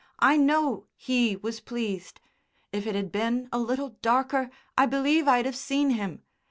I know he was pleased. If it had been a little darker I believe I'd have seen him.